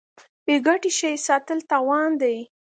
بې ګټې شی ساتل تاوان دی.